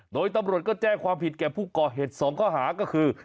โดยตำรวจก็แจ้งความผิดแก่ผู้ก่อเหตุ๒ข้อหาก็คือ